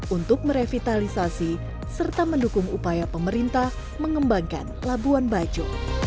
untuk merevitalisasi serta mendukung upaya pemerintah mengembangkan labuan bajo